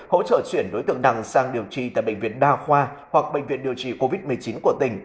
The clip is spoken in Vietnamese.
hỗ trợ chuyển đối tượng đằng sang điều trị tại bệnh viện đa khoa hoặc bệnh viện điều trị covid một mươi chín của tỉnh